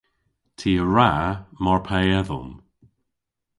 Ty a wra mar pe edhom.